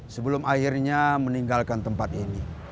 sebelum akhirnya meninggalkan tempat ini